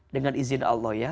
dengan izin allah ya